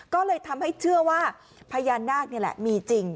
ก็เลยทำให้เชื่อว่าพญานาคนี่แหละมีจริง